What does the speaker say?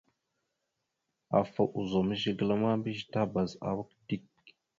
Afa ozum zigəla ma, mbiyez tabaz awak dik.